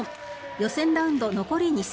予選ラウンド、残り２戦。